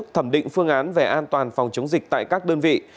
thẩm định phương án về an toàn phòng chống dịch tại các đơn vị